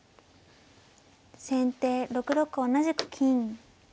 先手６六同じく金。